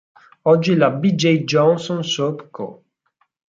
Oggi la B. J. Johnson Soap Co.